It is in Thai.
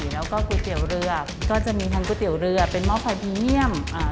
แล้วก็ก๋วยเตี๋ยวเรือก็จะมีทั้งก๋วยเตี๋ยวเรือเป็นหม้อไฟพรีเมียมอ่า